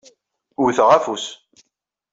Wwteɣ afus.